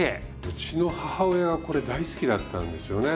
うちの母親がこれ大好きだったんですよね。